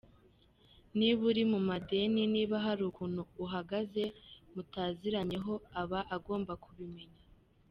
Niba uri mu madeni, niba hari ukuntu uhagaze mutaziranyeho aba agomba kubimenya.